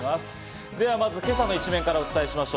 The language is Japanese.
では、まずは今朝の一面からお伝えします。